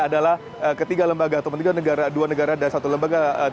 adalah ketiga lembaga atau ketiga negara dua negara dan satu lembaga dan satu lembaga adalah